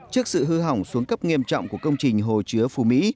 trước sự hư hỏng xuống cấp nghiêm trọng của công trình hồ chứa phú mỹ